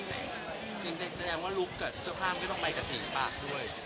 อินเต็มแสดงว่าลุคกับเสื้อข้ามก็ต้องไปกับสีปากด้วย